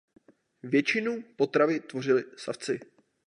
Většinu potravy tvořili savci.